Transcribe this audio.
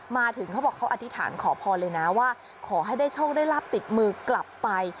มาถึงเขาบอกเขาอธิษฐานขอพรเลยนะว่าขอให้ได้โชคได้ลาบติดมือกลับไป